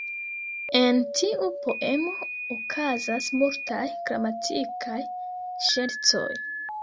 En tiu poemo okazas multaj gramatikaj ŝercoj.